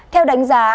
theo đánh giá